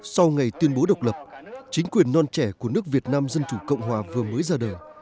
sau ngày tuyên bố độc lập chính quyền non trẻ của nước việt nam dân chủ cộng hòa vừa mới ra đời